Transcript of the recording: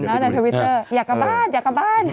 อยากกลับบ้านอยากกลับบ้าน